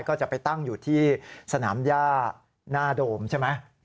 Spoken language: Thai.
ก็จะไปตั้งอยู่ที่สนามย่าหน้าโดมใช่ไหม